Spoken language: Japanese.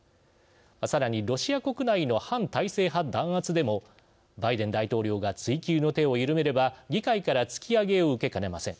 さらにロシア国内の反体制派弾圧でもバイデン大統領が追及の手を緩めれば議会から突き上げを受けかねません。